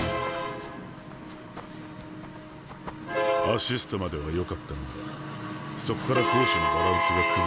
アシストまではよかったがそこから攻守のバランスが崩れたな。